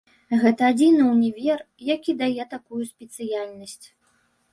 Гэта адзіны ўнівер, які дае такую спецыяльнасць.